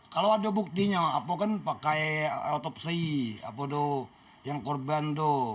kalau ada buktinya apa kan pakai otopsi apa tuh yang korban tuh